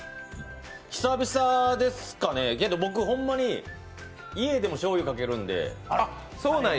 久々ですかね、僕、ほんまに家でもしょうゆかけるんで。